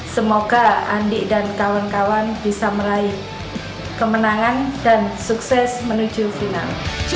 semoga andi dan kawan kawan bisa meraih kemenangan dan sukses menuju final